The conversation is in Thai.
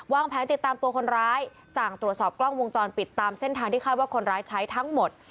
แผนติดตามตัวคนร้ายสั่งตรวจสอบกล้องวงจรปิดตามเส้นทางที่คาดว่าคนร้ายใช้ทั้งหมด